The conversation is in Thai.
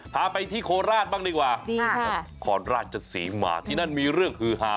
พาไปที่โคราชบ้างดีกว่านครราชศรีมาที่นั่นมีเรื่องฮือฮา